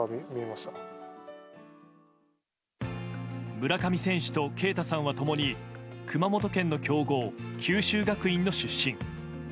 村上選手と慶太さんは共に熊本県の強豪・九州学院の出身。